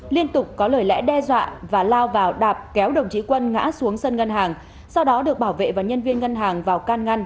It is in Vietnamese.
liên tục có lời lẽ đe dọa và lao vào đạp kéo đồng chí quân ngã xuống sân ngân hàng sau đó được bảo vệ và nhân viên ngân hàng vào can ngăn